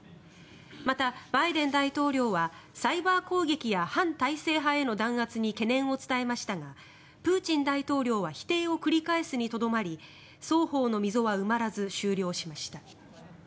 また、バイデン大統領はサイバー攻撃や反体制派への弾圧に懸念を伝えましたがプーチン大統領は否定を繰り返すにとどまり双方の溝は埋まらず終了しました。